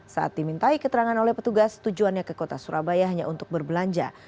saat dimintai keterangan oleh petugas tujuannya ke kota surabaya hanya untuk berbelanja